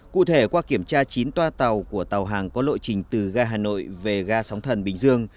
cụ thể qua kiểm tra chín toa tàu của tàu hàng có lộ trình từ ga hà nội về ga sóng thần bình dương